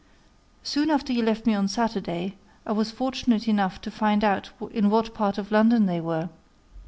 Soon after you left me on Saturday, I was fortunate enough to find out in what part of London they were.